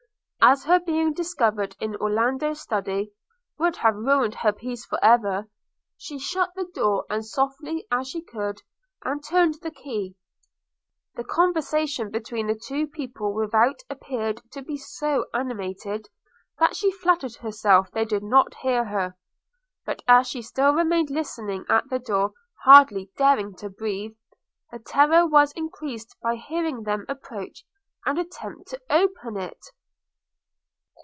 As her being discovered in Orlando's Study would have ruined her peace for ever, she shut to the door and softly as she could, and turned the key. The conversation between the two people without appeared to be so animated, that she flattered herself they did not hear her; but as she still remained listening at the door, hardly daring to breathe, her terror was increased by hearing them approach and attempt to open it.